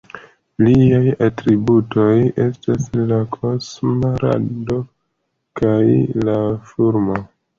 Liaj atributoj estis la "Kosma Rado" kaj la fulmo.